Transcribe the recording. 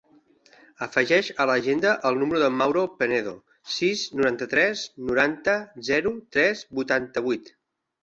Afegeix a l'agenda el número del Mauro Penedo: sis, noranta-tres, noranta, zero, tres, vuitanta-vuit.